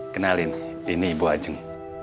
kenalin ini ibu ajeng